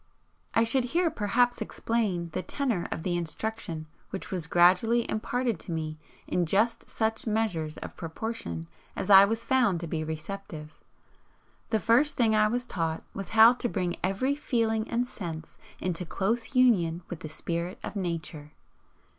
I should here perhaps explain the tenor of the instruction which was gradually imparted to me in just such measures of proportion as I was found to be receptive. The first thing I was taught was how to bring every feeling and sense into close union with the spirit of Nature.